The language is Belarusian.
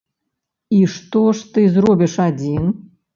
І што ж ты зробіш адзін?